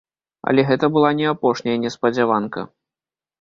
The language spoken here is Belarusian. Але гэта была не апошняя неспадзяванка.